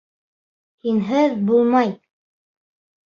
Һинһеҙ булмай.